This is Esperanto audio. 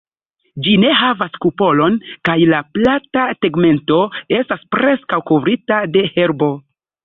Ĝi ne havas kupolon, kaj la plata tegmento estas preskaŭ kovrita de herbo.